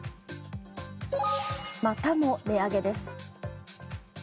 またも値上げです。